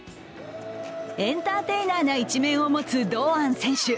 エンターテイナーな一面も持つ堂安選手。